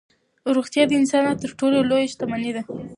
روغتیا د انسان تر ټولو لویه شتمني ده.